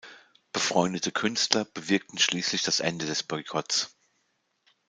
Befreundete Künstler bewirkten schließlich das Ende des Boykotts.